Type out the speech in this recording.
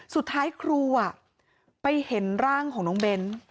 สุดท้ายครูไปเห็นร่างของน้องเบ้น